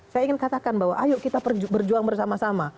saya ingin katakan bahwa ayo kita berjuang bersama sama